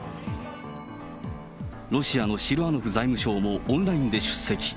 ロシアのシルアノフ財務相も、オンラインで出席。